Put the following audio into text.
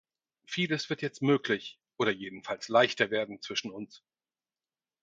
Vieles wird jetzt möglich oder jedenfalls leichter werden zwischen uns.